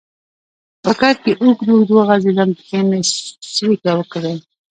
په کټ کې اوږد اوږد وغځېدم، پښې مې څړیکه وکړې.